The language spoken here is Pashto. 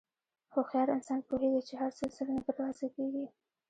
هوښیار انسان پوهېږي چې هر څه زر نه تر لاسه کېږي.